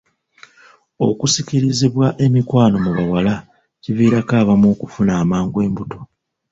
Okusikirizibwa emikwano mu bawala kiviirako abamu okufuna amangu embuto.